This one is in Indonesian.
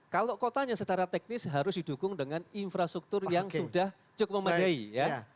kalau kotanya secara teknis harus didukung dengan infrastruktur yang sudah cukup memadai ya